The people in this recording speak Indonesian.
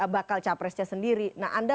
bakal capresnya sendiri nah anda